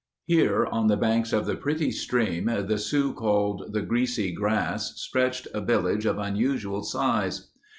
Here on the banks of the pretty stream the Sioux called the Greasy Grass stretched a village of unusual size.